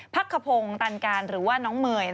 ภักครพงตังการหรือว่าน้องเมยย